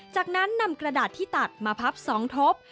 จากนั้นนำกระดาษที่ตัดมาพับ๒ทบ